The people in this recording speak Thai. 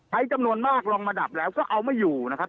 จำนวนมากลงมาดับแล้วก็เอาไม่อยู่นะครับ